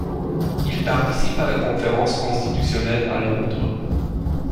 Il participe à la conférence constitutionnelle à Londres.